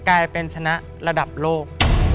กลายเป็นชนะระดับโลก